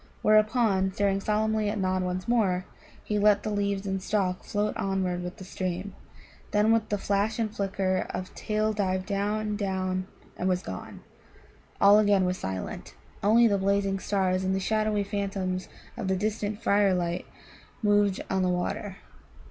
Whereupon, staring solemnly at Nod once more, he let the leaves and stalk float onward with the stream, then with a flash and flicker of tail dived down, down, and was gone. All again was silent. Only the blazing stars and the shadowy phantoms of the distant firelight moved on the water.